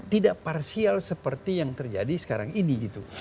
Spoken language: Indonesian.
tidak parsial seperti yang terjadi sekarang ini gitu